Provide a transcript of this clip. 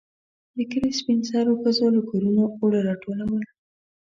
د کلي سپين سرو ښځو له کورونو اوړه راټولول.